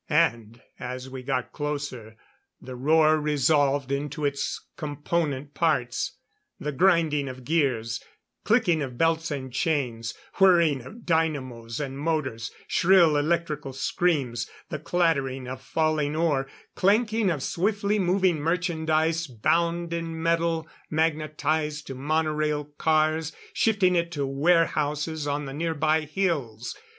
And as we got closer, the roar resolved into its component parts; the grinding of gears; clicking of belts and chains; whirring of dynamos and motors; shrill electrical screams; the clattering of falling ore; clanking of swiftly moving merchandise, bound in metal, magnetized to monorail cars shifting it to warehouses on the nearby hills.